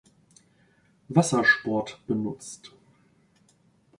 Wassersport- benutzt.